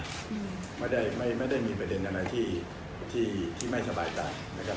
อืมไม่ได้ไม่ไม่ได้มีประเด็นอะไรที่ที่ไม่สบายใจนะครับ